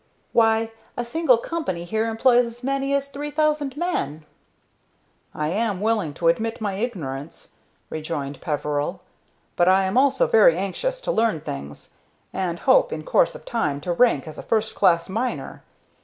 "Why, a single company here employs as many as three thousand men." "I am willing to admit my ignorance," rejoined Peveril, "but I am also very anxious to learn things, and hope in course of time to rank as a first class miner.